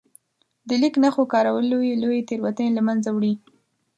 د لیک نښو کارول لويې لويې تېروتنې له منځه وړي.